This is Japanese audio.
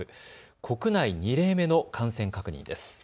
国内２例目の感染確認です。